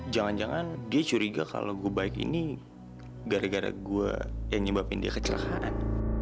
jangan jangan dia curiga kalau gua baik ini gara gara gua yang nyebabin kecelakaan